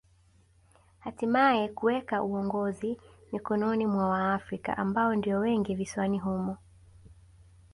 Hatimae kuweka uongozi mikononi mwa Waafrika ambao ndio wengi visiwani humo